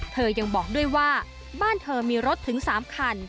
เธอยังบอกด้วยว่าบ้านเธอมีรถถึง๓คัน